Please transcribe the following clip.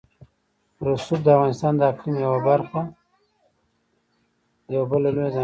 رسوب د افغانستان د اقلیم یوه بله لویه ځانګړتیا ده.